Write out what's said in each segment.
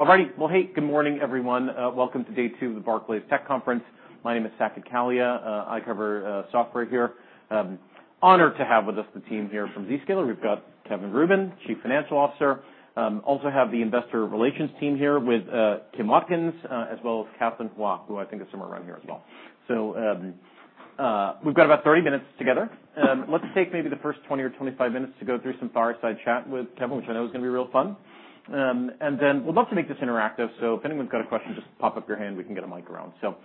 All righty. Well, hey, good morning, everyone. Welcome to day two of the Barclays Tech Conference. My name is Saket Kalia. I cover software here. Honored to have with us the team here from Zscaler. We've got Kevin Rubin, Chief Financial Officer. Also have the Investor Relations team here with Kim Watkins, as well as Catherine Hua, who I think is somewhere around here as well. So, we've got about 30 minutes together. Let's take maybe the first 20 or 25 minutes to go through some fireside chat with Kevin, which I know is gonna be real fun. And then we'd love to make this interactive. So if anyone's got a question, just pop up your hand. We can get a mic around. So,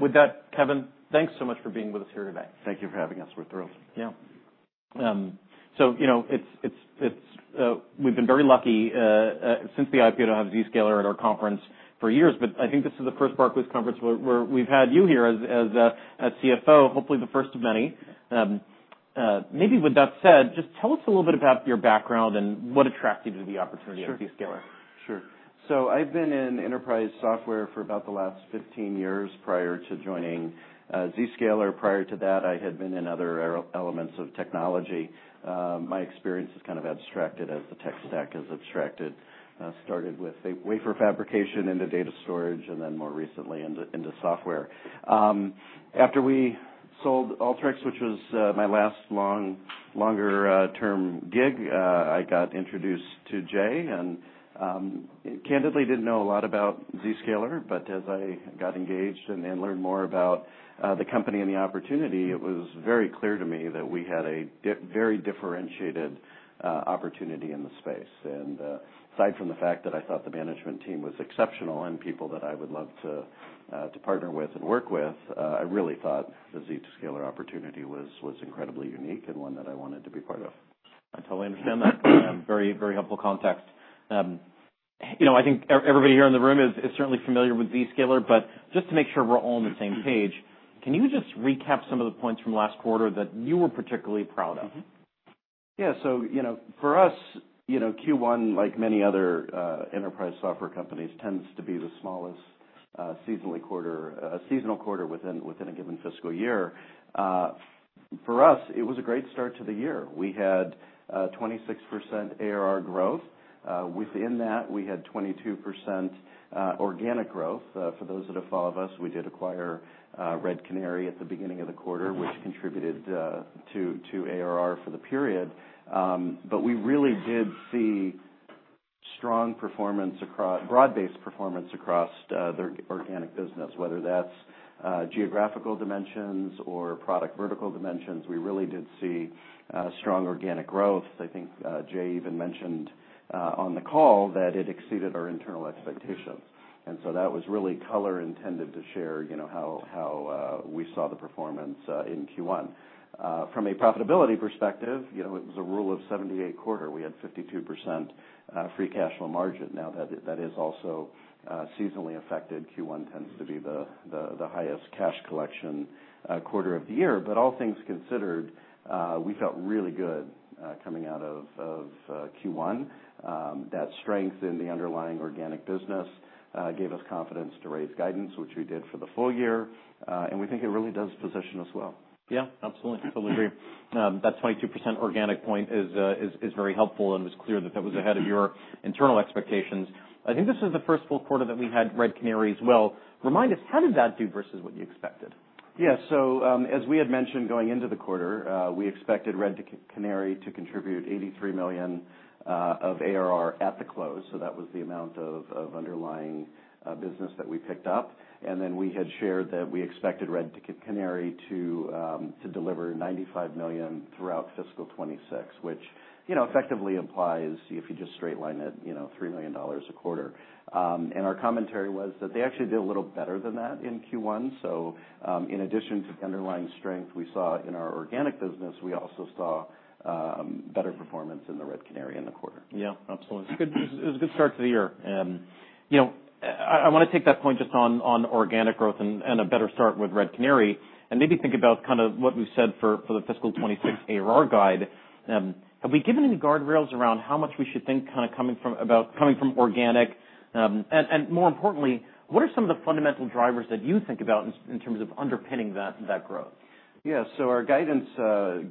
with that, Kevin, thanks so much for being with us here today. Thank you for having us. We're thrilled. Yeah. So, you know, it's we've been very lucky, since the IPO to have Zscaler at our conference for years. But I think this is the first Barclays Conference where we've had you here as CFO, hopefully the first of many. Maybe with that said, just tell us a little bit about your background and what attracted you to the opportunity at Zscaler. Sure. Sure. So I've been in enterprise software for about the last 15 years prior to joining Zscaler. Prior to that, I had been in other areas of technology. My experience is kind of abstracted as the tech stack is abstracted. Started with wafer fabrication into data storage, and then more recently into software. After we sold Alteryx, which was my last longer-term gig, I got introduced to Jay and candidly didn't know a lot about Zscaler. But as I got engaged and learned more about the company and the opportunity, it was very clear to me that we had a very differentiated opportunity in the space. Aside from the fact that I thought the management team was exceptional and people that I would love to partner with and work with, I really thought the Zscaler opportunity was incredibly unique and one that I wanted to be part of. I totally understand that. Very, very helpful context. You know, I think everybody here in the room is certainly familiar with Zscaler. But just to make sure we're all on the same page, can you just recap some of the points from last quarter that you were particularly proud of? Mm-hmm. Yeah. So, you know, for us, you know, Q1, like many other enterprise software companies, tends to be the smallest seasonal quarter within a given fiscal year. For us, it was a great start to the year. We had 26% ARR growth. Within that, we had 22% organic growth. For those that have followed us, we did acquire Red Canary at the beginning of the quarter, which contributed to ARR for the period. But we really did see strong, broad-based performance across the organic business, whether that's geographical dimensions or product vertical dimensions. We really did see strong organic growth. I think Jay even mentioned on the call that it exceeded our internal expectations. And so that was really the color I intended to share, you know, how we saw the performance in Q1. From a profitability perspective, you know, it was a Rule of 78 quarter. We had 52% free cash flow margin. Now that is also seasonally affected. Q1 tends to be the highest cash collection quarter of the year. But all things considered, we felt really good coming out of Q1. That strength in the underlying organic business gave us confidence to raise guidance, which we did for the full year, and we think it really does position us well. Yeah. Absolutely. Totally agree. That 22% organic point is very helpful and was clear that that was ahead of your internal expectations. I think this is the first full quarter that we had Red Canary as well. Remind us, how did that do versus what you expected? Yeah. So, as we had mentioned going into the quarter, we expected Red Canary to contribute $83 million of ARR at the close. So that was the amount of underlying business that we picked up. And then we had shared that we expected Red Canary to deliver $95 million throughout fiscal 2026, which, you know, effectively implies if you just straight line it, you know, $3 million a quarter, and our commentary was that they actually did a little better than that in Q1. So, in addition to the underlying strength we saw in our organic business, we also saw better performance in the Red Canary in the quarter. Yeah. Absolutely. It's a good, it's a good start to the year. You know, I wanna take that point just on organic growth and a better start with Red Canary and maybe think about kind of what we've said for the fiscal 2026 ARR guide. Have we given any guardrails around how much we should think kind of coming from about coming from organic? And more importantly, what are some of the fundamental drivers that you think about in terms of underpinning that growth? Yeah. So our guidance,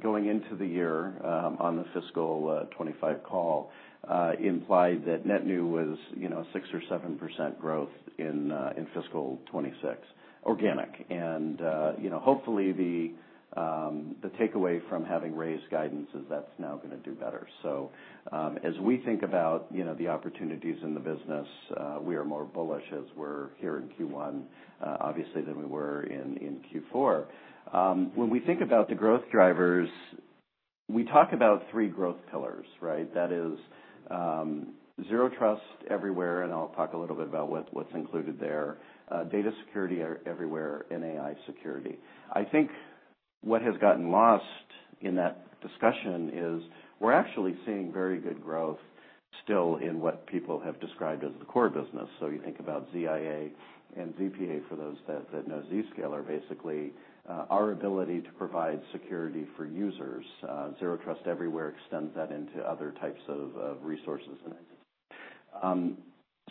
going into the year, on the fiscal 2025 call, implied that net new was, you know, 6% or 7% growth in fiscal 2026 organic. And, you know, hopefully the takeaway from having raised guidance is that's now gonna do better. So, as we think about, you know, the opportunities in the business, we are more bullish as we're here in Q1, obviously than we were in Q4, when we think about the growth drivers, we talk about three growth pillars, right? That is, Zero Trust Everywhere, and I'll talk a little bit about what's included there, Data Security Everywhere, and AI Security. I think what has gotten lost in that discussion is we're actually seeing very good growth still in what people have described as the core business. So you think about ZIA and ZPA for those that know Zscaler, basically, our ability to provide security for users. Zero Trust Everywhere extends that into other types of resources.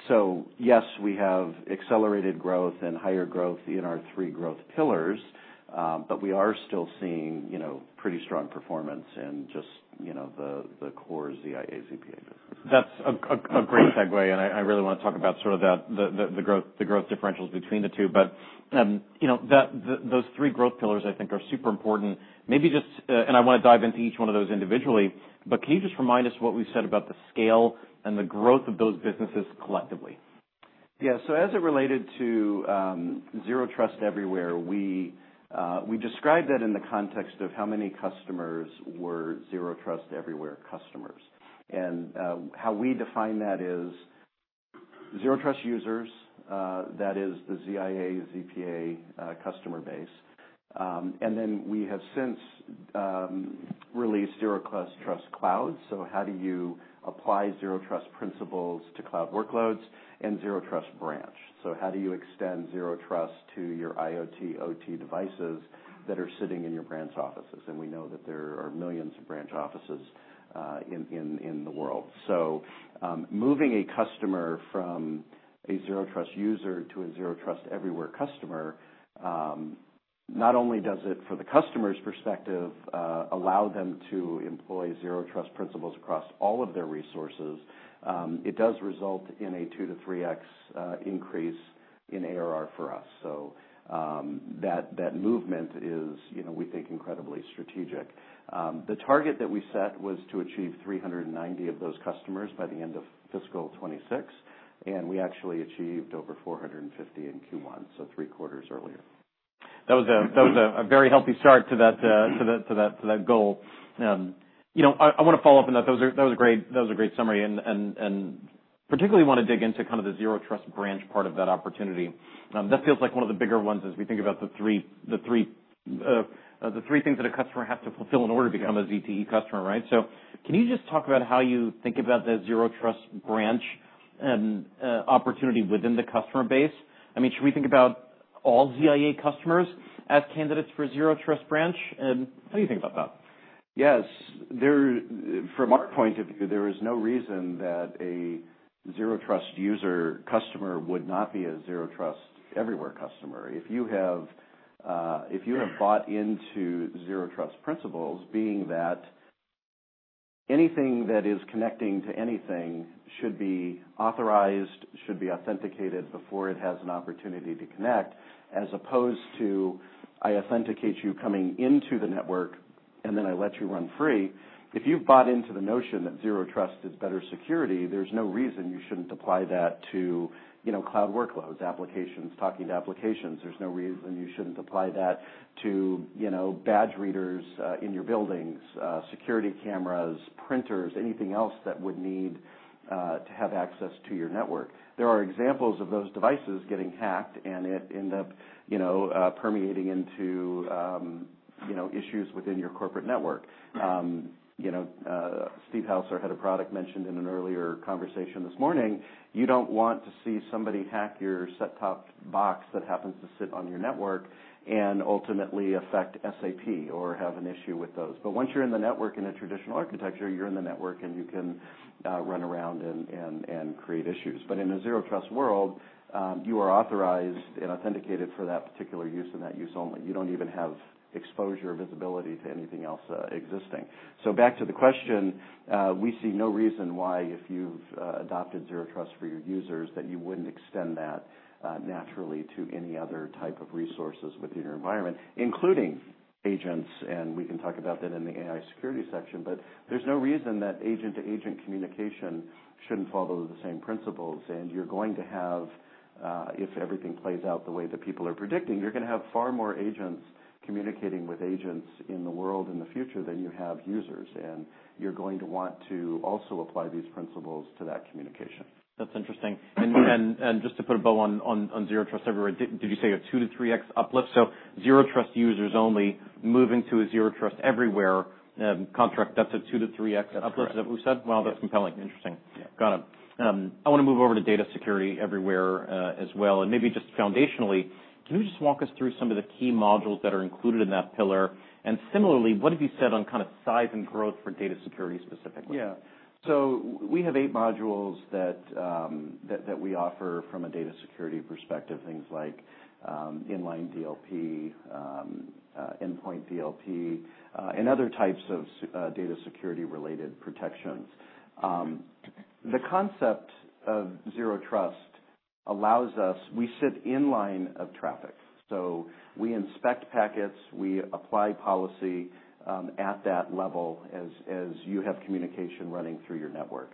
So yes, we have accelerated growth and higher growth in our three growth pillars, but we are still seeing, you know, pretty strong performance in just, you know, the core ZIA, ZPA business. That's a great segue. And I really wanna talk about sort of that, the growth differentials between the two. But, you know, those three growth pillars I think are super important. Maybe just, and I wanna dive into each one of those individually. But can you just remind us what we said about the scale and the growth of those businesses collectively? Yeah. So as it related to Zero Trust Everywhere, we described that in the context of how many customers were Zero Trust Everywhere customers. How we define that is Zero Trust users, that is the ZIA, ZPA customer base. And then we have since released Zero Trust Cloud. So how do you apply Zero Trust principles to cloud workloads and Zero Trust Branch? So how do you extend Zero Trust to your IoT, OT devices that are sitting in your branch offices? And we know that there are millions of branch offices in the world. So moving a customer from a Zero Trust user to a Zero Trust Everywhere customer, not only does it from the customer's perspective allow them to employ Zero Trust principles across all of their resources, it does result in a 2-3X increase in ARR for us. That movement is, you know, we think incredibly strategic. The target that we set was to achieve 390 of those customers by the end of fiscal 2026. We actually achieved over 450 in Q1, so three quarters earlier. That was a very healthy start to that goal. You know, I wanna follow up on that. Those are great, a great summary. And particularly wanna dig into kind of the Zero Trust Branch part of that opportunity. That feels like one of the bigger ones as we think about the three things that a customer has to fulfill in order to become a ZTE customer, right? So can you just talk about how you think about the Zero Trust Branch opportunity within the customer base? I mean, should we think about all ZIA customers as candidates for Zero Trust Branch? How do you think about that? Yes. There, from our point of view, there is no reason that a Zero Trust user customer would not be a Zero Trust Everywhere customer. If you have bought into Zero Trust principles, being that anything that is connecting to anything should be authorized, should be authenticated before it has an opportunity to connect, as opposed to, "I authenticate you coming into the network, and then I let you run free." If you've bought into the notion that Zero Trust is better security, there's no reason you shouldn't apply that to, you know, cloud workloads, applications, talking to applications. There's no reason you shouldn't apply that to, you know, badge readers, in your buildings, security cameras, printers, anything else that would need, to have access to your network. There are examples of those devices getting hacked and it end up, you know, permeating into, you know, issues within your corporate network. You know, Steve House, head of product, mentioned in an earlier conversation this morning, you don't want to see somebody hack your set-top box that happens to sit on your network and ultimately affect SAP or have an issue with those. But once you're in the network in a traditional architecture, you're in the network and you can run around and create issues. But in a Zero Trust world, you are authorized and authenticated for that particular use and that use only. You don't even have exposure or visibility to anything else, existing. So back to the question, we see no reason why if you've adopted Zero Trust for your users that you wouldn't extend that naturally to any other type of resources within your environment, including agents. And we can talk about that in the AI security section. But there's no reason that agent-to-agent communication shouldn't follow the same principles. And you're going to have, if everything plays out the way that people are predicting, you're gonna have far more agents communicating with agents in the world in the future than you have users. And you're going to want to also apply these principles to that communication. That's interesting. And just to put a bow on Zero Trust Everywhere, did you say a 2-3X uplift? So Zero Trust users only moving to a Zero Trust Everywhere contract, that's a 2-3X uplift is that what we said? That's correct. Wow, that's compelling. Interesting. Yeah. Got it. I wanna move over to Data Security Everywhere, as well. And maybe just foundationally, can you just walk us through some of the key modules that are included in that pillar? And similarly, what have you said on kind of size and growth for Data Security specifically? Yeah. So we have eight modules that we offer from a data security perspective, things like Inline DLP, Endpoint DLP, and other types of data security-related protections. The concept of Zero Trust allows us. We sit inline of traffic. So we inspect packets, we apply policy at that level as you have communication running through your network.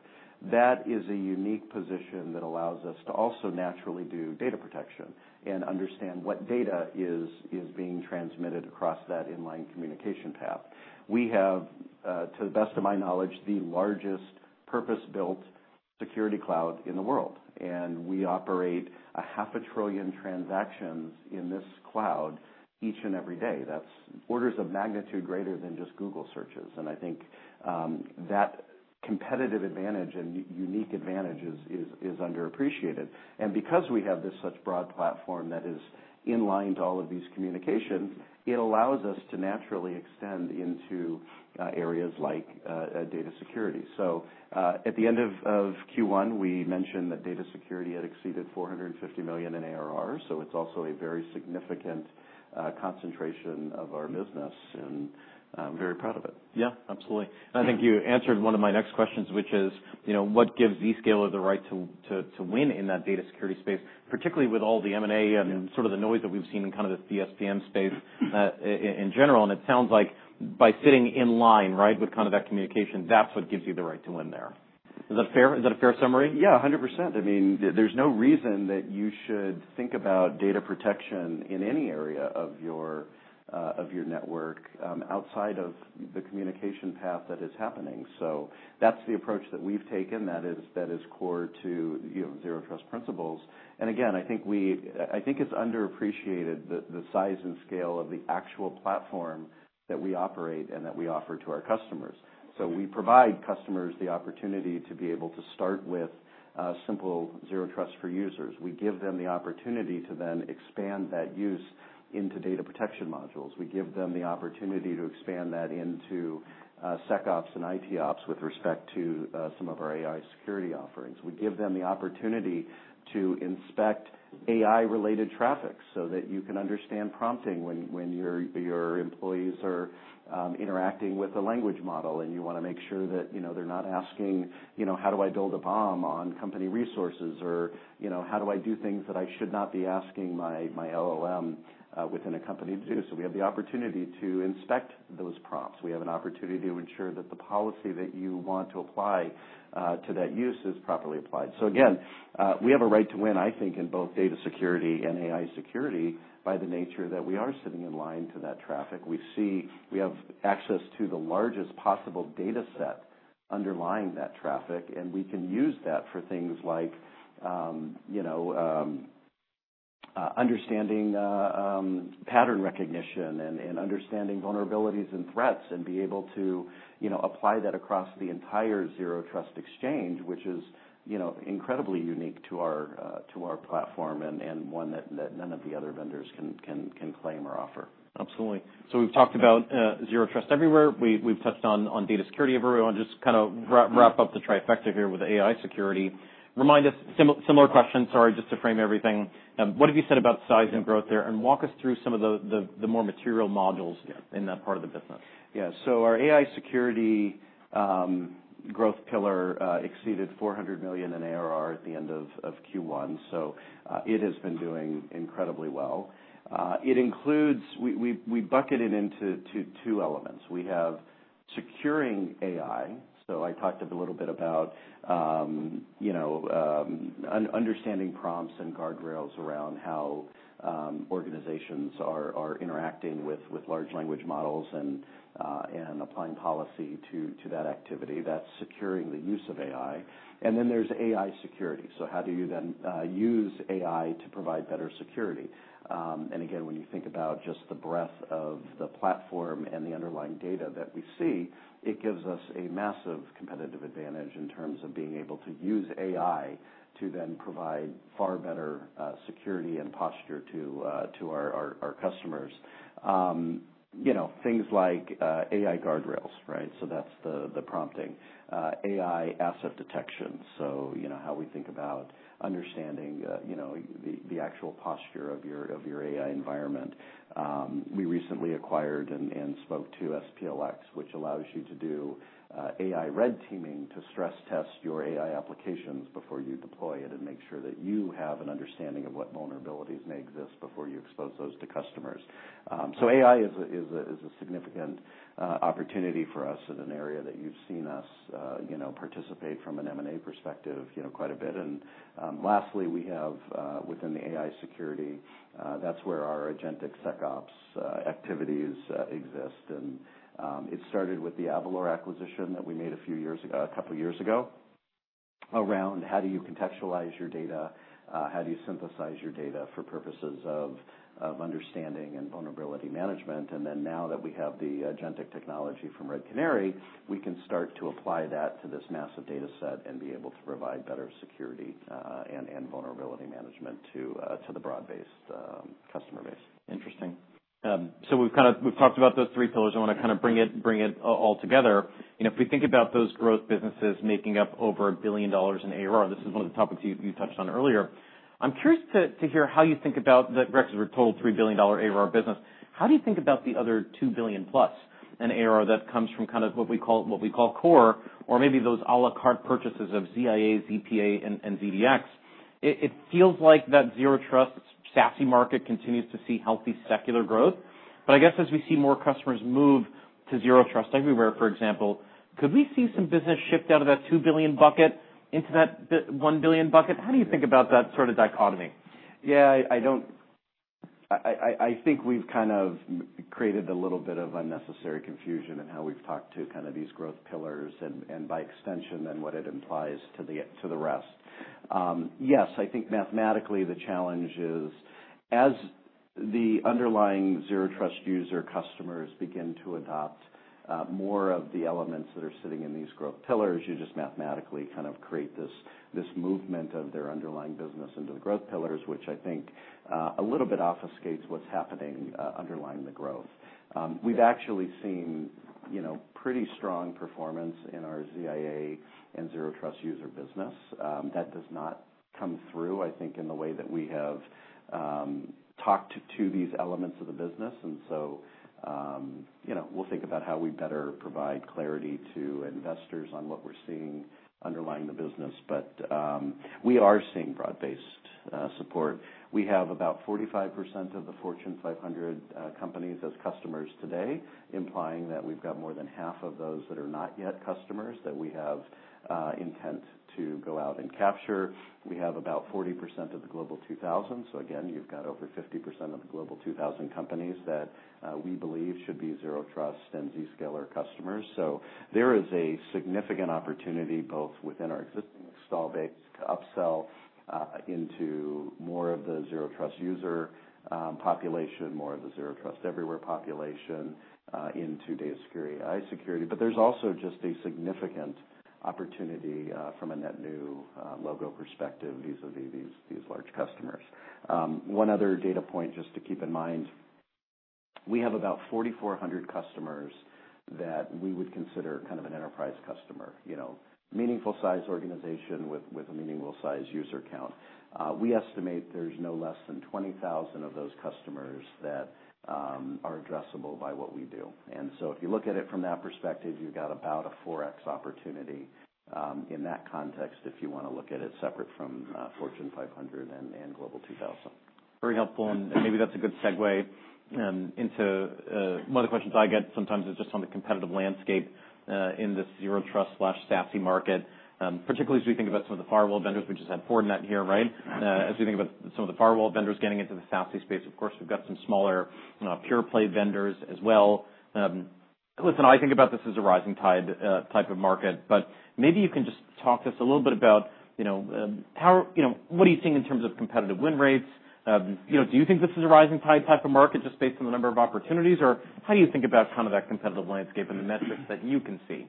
That is a unique position that allows us to also naturally do data protection and understand what data is being transmitted across that inline communication path. We have, to the best of my knowledge, the largest purpose-built security cloud in the world. And we operate 500 billion transactions in this cloud each and every day. That's orders of magnitude greater than just Google searches. And I think that competitive advantage and unique advantage is underappreciated. Because we have this such broad platform that is inline to all of these communications, it allows us to naturally extend into areas like data security. So at the end of Q1, we mentioned that data security had exceeded $450 million in ARR. So it's also a very significant concentration of our business. I'm very proud of it. Yeah. Absolutely. And I think you answered one of my next questions, which is, you know, what gives Zscaler the right to win in that data security space, particularly with all the M&A and sort of the noise that we've seen in kind of the CSPM space, in general. And it sounds like by sitting inline, right, with kind of that communication, that's what gives you the right to win there. Is that fair? Is that a fair summary? Yeah. 100%. I mean, there's no reason that you should think about data protection in any area of your network, outside of the communication path that is happening. So that's the approach that we've taken that is core to, you know, Zero Trust principles. And again, I think it's underappreciated the size and scale of the actual platform that we operate and that we offer to our customers. So we provide customers the opportunity to be able to start with simple Zero Trust for users. We give them the opportunity to then expand that use into data protection modules. We give them the opportunity to expand that into SecOps and ITOps with respect to some of our AI security offerings. We give them the opportunity to inspect AI-related traffic so that you can understand prompting when your employees are interacting with a language model and you wanna make sure that, you know, they're not asking, you know, how do I build a bomb on company resources or, you know, how do I do things that I should not be asking my LLM within a company to do. So we have the opportunity to inspect those prompts. We have an opportunity to ensure that the policy that you want to apply to that use is properly applied. So again, we have a right to win, I think, in both data security and AI security by the nature that we are sitting inline to that traffic. We see we have access to the largest possible data set underlying that traffic. We can use that for things like, you know, understanding, pattern recognition and understanding vulnerabilities and threats and be able to, you know, apply that across the entire Zero Trust Exchange, which is, you know, incredibly unique to our platform and one that none of the other vendors can claim or offer. Absolutely. So we've talked about Zero Trust Everywhere. We've touched on data security everywhere. I'll just kind of wrap up the trifecta here with AI Security. Remind us, similar question, sorry, just to frame everything. What have you said about size and growth there? And walk us through some of the more material modules in that part of the business. Yeah. So our AI security growth pillar exceeded $400 million in ARR at the end of Q1. So, it has been doing incredibly well. It includes. We bucket it into two elements. We have securing AI. So I talked a little bit about, you know, understanding prompts and guardrails around how organizations are interacting with large language models and applying policy to that activity. That's securing the use of AI. And then there's AI security. So how do you then use AI to provide better security? And again, when you think about just the breadth of the platform and the underlying data that we see, it gives us a massive competitive advantage in terms of being able to use AI to then provide far better security and posture to our customers. You know, things like AI guardrails, right? So that's the prompting. AI asset detection. So, you know, how we think about understanding, you know, the actual posture of your AI environment. We recently acquired and spoke to SPLX, which allows you to do AI red teaming to stress test your AI applications before you deploy it and make sure that you have an understanding of what vulnerabilities may exist before you expose those to customers. So AI is a significant opportunity for us in an area that you've seen us, you know, participate from an M&A perspective, you know, quite a bit. And, lastly, we have, within the AI security, that's where our agentic SecOps activities exist. It started with the Avalor acquisition that we made a few years ago, a couple of years ago around how do you contextualize your data, how do you synthesize your data for purposes of understanding and vulnerability management. Then now that we have the agentic technology from Red Canary, we can start to apply that to this massive data set and be able to provide better security and vulnerability management to the broad-based customer base. Interesting. So we've kind of, we've talked about those three pillars. I wanna kind of bring it all together. You know, if we think about those growth businesses making up over $1 billion in ARR, this is one of the topics you touched on earlier. I'm curious to hear how you think about the, right, 'cause we're total $3 billion ARR business. How do you think about the other $2 billion plus in ARR that comes from kind of what we call core, or maybe those à la carte purchases of ZIA, ZPA, and ZDX? It feels like that Zero Trust SASE market continues to see healthy secular growth. But I guess as we see more customers move to Zero Trust Everywhere, for example, could we see some business shift out of that 2 billion bucket into that 1 billion bucket? How do you think about that sort of dichotomy? Yeah. I don't, I think we've kind of created a little bit of unnecessary confusion in how we've talked to kind of these growth pillars and, and by extension then what it implies to the, to the rest. Yes, I think mathematically the challenge is as the underlying Zero Trust user customers begin to adopt, more of the elements that are sitting in these growth pillars, you just mathematically kind of create this, this movement of their underlying business into the growth pillars, which I think, a little bit obfuscates what's happening, underlying the growth. We've actually seen, you know, pretty strong performance in our ZIA and Zero Trust user business. That does not come through, I think, in the way that we have, talked to, to these elements of the business. And so, you know, we'll think about how we better provide clarity to investors on what we're seeing underlying the business. But we are seeing broad-based support. We have about 45% of the Fortune 500 companies as customers today, implying that we've got more than half of those that are not yet customers that we have intent to go out and capture. We have about 40% of the Global 2000. So again, you've got over 50% of the Global 2000 companies that we believe should be Zero Trust and Zscaler customers. So there is a significant opportunity both within our existing install-based upsell into more of the Zero Trust user population, more of the Zero Trust Everywhere population, into data security, AI security. But there's also just a significant opportunity from a net new logo perspective vis-à-vis these large customers. One other data point just to keep in mind, we have about 4,400 customers that we would consider kind of an enterprise customer, you know, meaningful size organization with a meaningful size user count. We estimate there's no less than 20,000 of those customers that are addressable by what we do. And so if you look at it from that perspective, you've got about a 4X opportunity, in that context if you wanna look at it separate from Fortune 500 and Global 2000. Very helpful. And maybe that's a good segue into one of the questions I get sometimes is just on the competitive landscape in this Zero Trust slash sassy market, particularly as we think about some of the firewall vendors. We just had Fortinet here, right? As we think about some of the firewall vendors getting into the SASE space, of course, we've got some smaller, pure play vendors as well. Listen, I think about this as a rising tide type of market. But maybe you can just talk to us a little bit about, you know, how, you know, what are you seeing in terms of competitive win rates? You know, do you think this is a rising tide type of market just based on the number of opportunities? Or how do you think about kind of that competitive landscape and the metrics that you can see?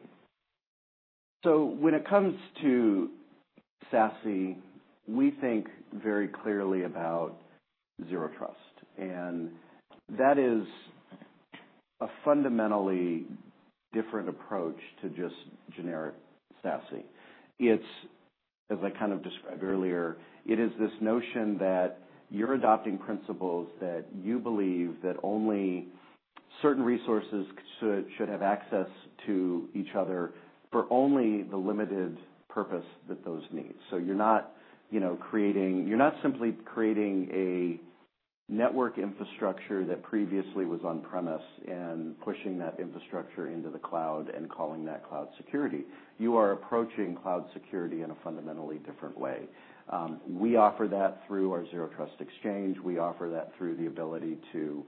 So when it comes to SASE, we think very clearly about Zero Trust. And that is a fundamentally different approach to just generic SASE. It's, as I kind of described earlier, it is this notion that you're adopting principles that you believe that only certain resources should have access to each other for only the limited purpose that those need. So you're not, you know, creating, you're not simply creating a network infrastructure that previously was on-premise and pushing that infrastructure into the cloud and calling that cloud security. You are approaching cloud security in a fundamentally different way. We offer that through our Zero Trust Exchange. We offer that through the ability to,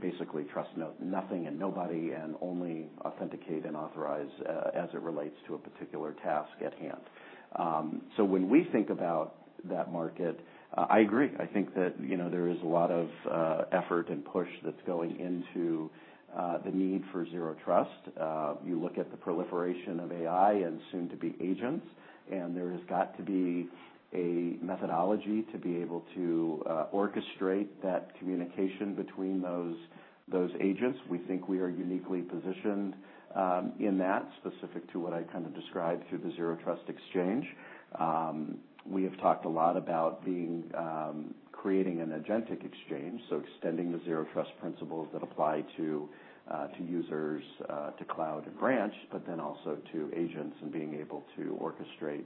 basically trust nothing and nobody and only authenticate and authorize, as it relates to a particular task at hand. So when we think about that market, I agree. I think that, you know, there is a lot of effort and push that's going into the need for Zero Trust. You look at the proliferation of AI and soon-to-be agents. And there has got to be a methodology to be able to orchestrate that communication between those agents. We think we are uniquely positioned, in that specific to what I kind of described through the Zero Trust Exchange. We have talked a lot about being creating an agentic exchange, so extending the Zero Trust principles that apply to users, to cloud and branch, but then also to agents and being able to orchestrate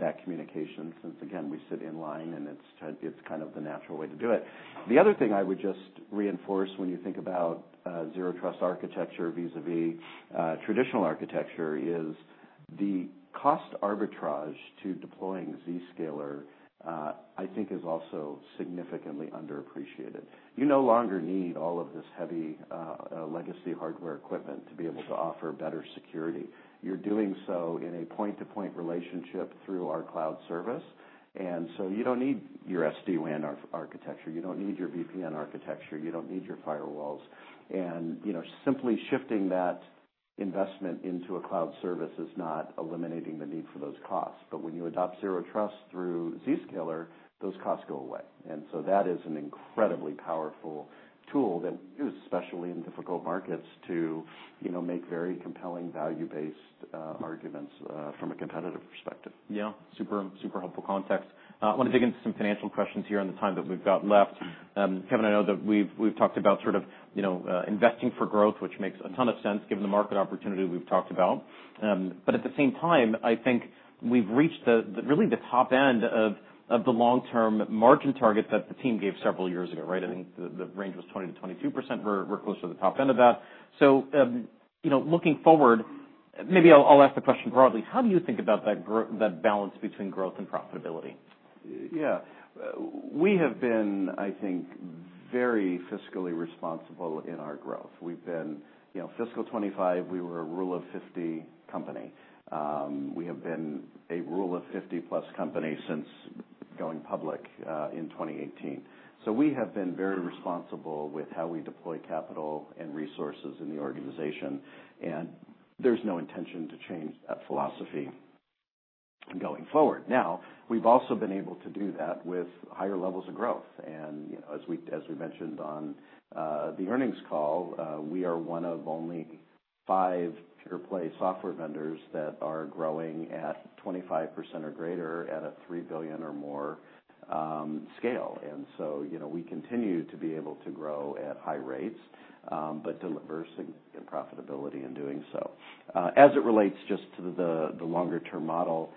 that communication since, again, we sit inline and it's it's kind of the natural way to do it. The other thing I would just reinforce when you think about Zero Trust architecture vis-à-vis traditional architecture is the cost arbitrage to deploying Zscaler. I think is also significantly underappreciated. You no longer need all of this heavy, legacy hardware equipment to be able to offer better security. You're doing so in a point-to-point relationship through our cloud service. And so you don't need your SD-WAN architecture. You don't need your VPN architecture. You don't need your firewalls. And, you know, simply shifting that investment into a cloud service is not eliminating the need for those costs. But when you adopt Zero Trust through Zscaler, those costs go away. And so that is an incredibly powerful tool that we use, especially in difficult markets to, you know, make very compelling value-based arguments from a competitive perspective. Yeah. Super, super helpful context. I wanna dig into some financial questions here on the time that we've got left. Kevin, I know that we've talked about sort of, you know, investing for growth, which makes a ton of sense given the market opportunity we've talked about, but at the same time, I think we've reached the really the top end of the long-term margin target that the team gave several years ago, right? I think the range was 20%-22%. We're close to the top end of that, so you know, looking forward, maybe I'll ask the question broadly. How do you think about that balance between growth and profitability? Yeah. We have been, I think, very fiscally responsible in our growth. We've been, you know, fiscal 2025, we were a rule of 50 company. We have been a rule of 50-plus company since going public, in 2018. So we have been very responsible with how we deploy capital and resources in the organization. And there's no intention to change that philosophy going forward. Now, we've also been able to do that with higher levels of growth. And, you know, as we mentioned on the earnings call, we are one of only five pure play software vendors that are growing at 25% or greater at a 3 billion or more scale. And so, you know, we continue to be able to grow at high rates, but deliver significant profitability in doing so. As it relates just to the longer-term model,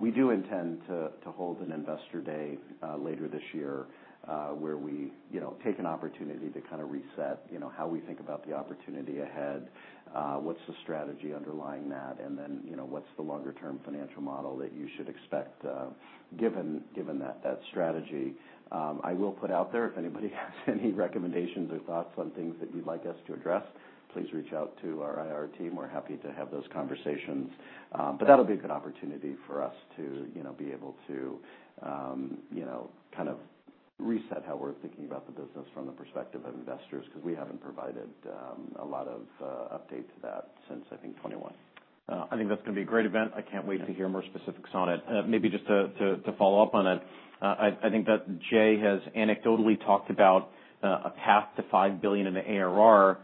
we do intend to hold an investor day later this year, where we, you know, take an opportunity to kind of reset, you know, how we think about the opportunity ahead, what's the strategy underlying that, and then, you know, what's the longer-term financial model that you should expect, given that strategy. I will put out there if anybody has any recommendations or thoughts on things that you'd like us to address, please reach out to our IR team. We're happy to have those conversations. But that'll be a good opportunity for us to, you know, be able to, you know, kind of reset how we're thinking about the business from the perspective of investors 'cause we haven't provided a lot of update to that since, I think, 2021. I think that's gonna be a great event. I can't wait to hear more specifics on it. Maybe just to follow up on it, I think that Jay has anecdotally talked about a path to 5 billion in the ARR,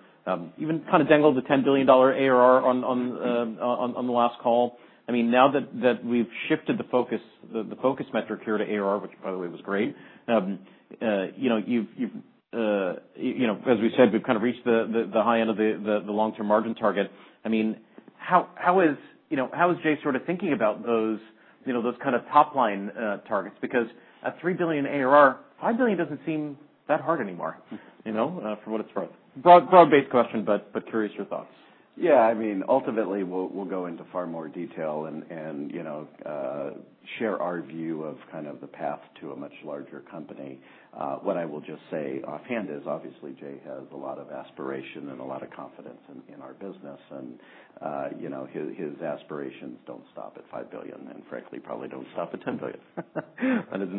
even kind of dangled the $10 billion ARR on the last call. I mean, now that we've shifted the focus, the focus metric here to ARR, which by the way was great, you know, you've you know, as we said, we've kind of reached the high end of the long-term margin target. I mean, how is Jay sort of thinking about those, you know, those kind of top line targets? Because a 3 billion ARR, 5 billion doesn't seem that hard anymore, you know, for what it's worth. Broad-based question, but curious your thoughts. Yeah. I mean, ultimately, we'll go into far more detail and, you know, share our view of kind of the path to a much larger company. What I will just say offhand is obviously Jay has a lot of aspiration and a lot of confidence in our business. And, you know, his aspirations don't stop at 5 billion and frankly probably don't stop at 10 billion.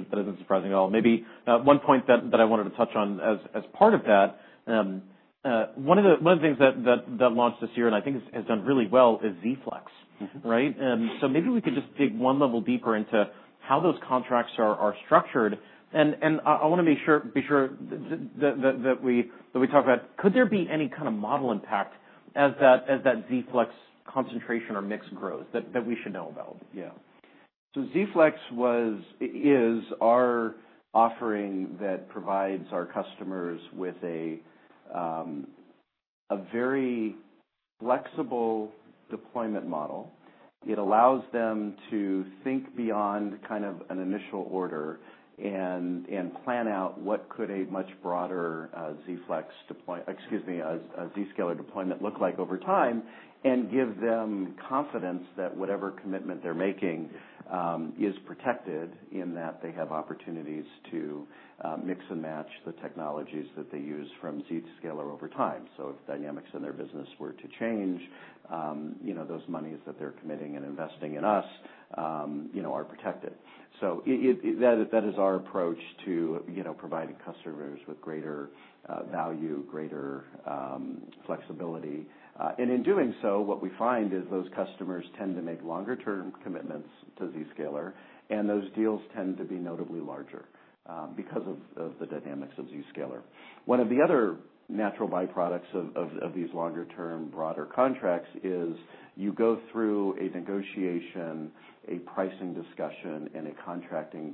That isn't surprising at all. Maybe one point that I wanted to touch on as part of that, one of the things that launched this year and I think has done really well is Zflex, right? Mm-hmm. So maybe we could just dig one level deeper into how those contracts are structured. And I wanna make sure that we talk about could there be any kind of model impact as that Zflex concentration or mix grows that we should know about? Yeah. So Zflex is our offering that provides our customers with a very flexible deployment model. It allows them to think beyond kind of an initial order and plan out what a much broader Zflex deployment, excuse me, Zscaler deployment look like over time and give them confidence that whatever commitment they're making is protected in that they have opportunities to mix and match the technologies that they use from Zscaler over time. So if dynamics in their business were to change, you know, those monies that they're committing and investing in us, you know, are protected. So it, that is our approach to, you know, providing customers with greater value, greater flexibility. And in doing so, what we find is those customers tend to make longer-term commitments to Zscaler, and those deals tend to be notably larger, because of the dynamics of Zscaler. One of the other natural byproducts of these longer-term broader contracts is you go through a negotiation, a pricing discussion, and a contracting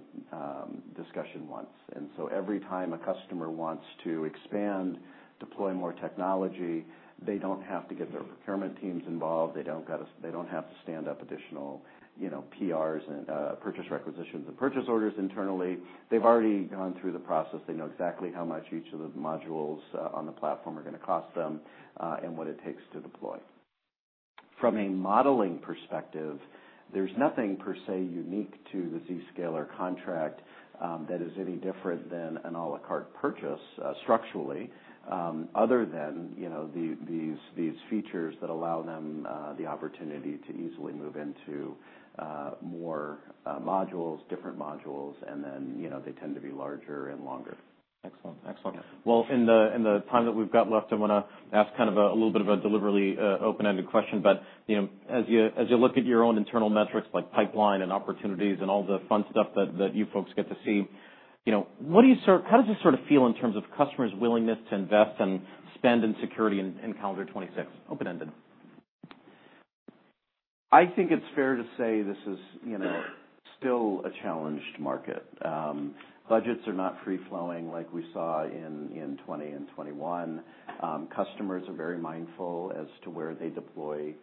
discussion once. And so every time a customer wants to expand, deploy more technology, they don't have to get their procurement teams involved. They don't got to, they don't have to stand up additional, you know, PRs and purchase requisitions and purchase orders internally. They've already gone through the process. They know exactly how much each of the modules on the platform are gonna cost them, and what it takes to deploy. From a modeling perspective, there's nothing per se unique to the Zscaler contract that is any different than an à la carte purchase, structurally, other than, you know, the, these, these features that allow them the opportunity to easily move into more modules, different modules, and then, you know, they tend to be larger and longer. Excellent. Excellent. Yeah. In the time that we've got left, I wanna ask kind of a little bit of a deliberately open-ended question. But you know, as you look at your own internal metrics like pipeline and opportunities and all the fun stuff that you folks get to see, you know, what do you sort of, how does it sort of feel in terms of customers' willingness to invest and spend in security in calendar 2026? Open-ended. I think it's fair to say this is, you know, still a challenged market. Budgets are not free-flowing like we saw in 2020 and 2021. Customers are very mindful as to where they deploy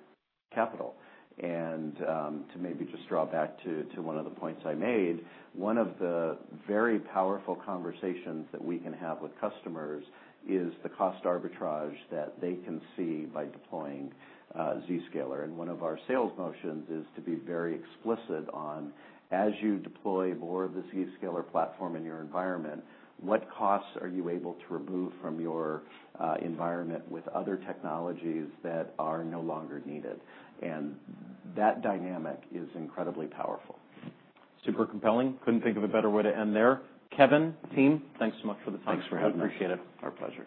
capital. To maybe just draw back to one of the points I made, one of the very powerful conversations that we can have with customers is the cost arbitrage that they can see by deploying Zscaler. One of our sales motions is to be very explicit on, as you deploy more of the Zscaler platform in your environment, what costs are you able to remove from your environment with other technologies that are no longer needed? That dynamic is incredibly powerful. Super compelling. Couldn't think of a better way to end there. Kevin, team, thanks so much for the time. Thanks for having us. I appreciate it. Our pleasure.